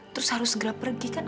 terus harus segera pergi kan